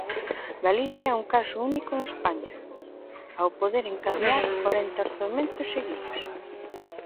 Galicia é un caso único en España, ao poder encadear corenta orzamentos seguidos.